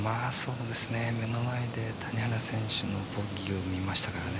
目の前で谷原選手のボギーを見ましたからね。